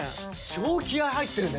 超気合入ってるね。